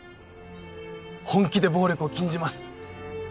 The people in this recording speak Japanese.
本気で暴力を禁じます！